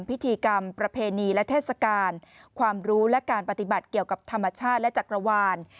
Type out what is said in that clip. พิธีกรรมประเพณีและเทศกาลความรู้และการปฏิบัติเกี่ยวกับธรรมชาติและจักรวาล